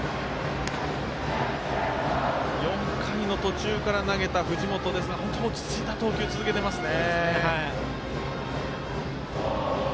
４回の途中から投げた藤本ですが本当に落ち着いた投球を続けていますね。